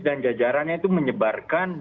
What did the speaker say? dan jajarannya itu menyebarkan